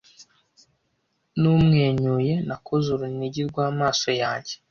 numwenyuye nakoze urunigi rw'amaso yanjye